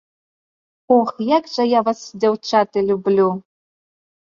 Ох, як жа я вас, дзяўчаты, люблю!